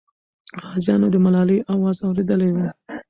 غازیانو د ملالۍ اواز اورېدلی وو.